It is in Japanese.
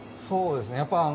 そうですね